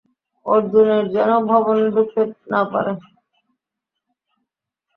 অর্জুনের যেনো ভবনে ডুকতে না পারে।